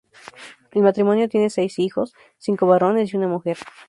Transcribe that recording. El matrimonio tiene seis hijos: cinco varones y una mujer.